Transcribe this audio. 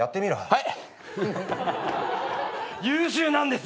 はい。